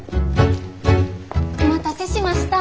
お待たせしました。